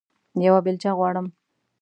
یوه بیلچه غواړم